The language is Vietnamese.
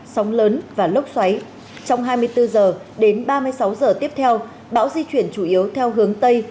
sóng lớn và lốc xoáy trong hai mươi bốn h đến ba mươi sáu giờ tiếp theo bão di chuyển chủ yếu theo hướng tây